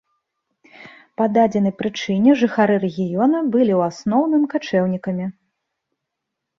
Па дадзенай прычыне жыхары рэгіёна былі ў асноўным качэўнікамі.